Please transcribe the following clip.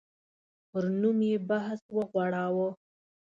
پر نوم یې بحث وغوړاوه.